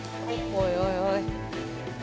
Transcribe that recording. おいおいおい。